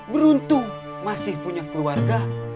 beruntung masih punya keluarga